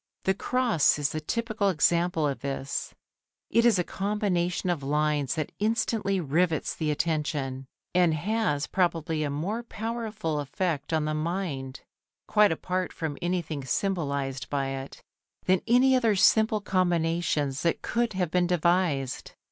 The cross is the typical example of this. It is a combination of lines that instantly rivets the attention, and has probably a more powerful effect upon the mind quite apart from anything symbolised by it than any other simple combinations that could have been devised.